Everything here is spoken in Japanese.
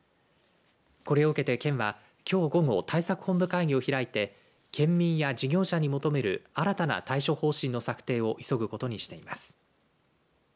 これを受けて県はきょう午後対策本部会議を開いて県民や事業者に求める新たな対処方針の策定を急ぐことにしています。